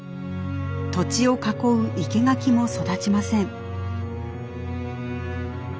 土地を囲う生け垣も育ちません。